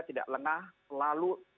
tidak lengah selalu